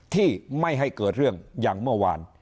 ที่ไม่ให้เกิดเรื่องอย่างเมื่อวาน